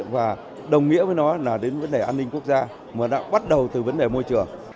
và đồng nghĩa với nó là đến vấn đề an ninh quốc gia mà đã bắt đầu từ vấn đề môi trường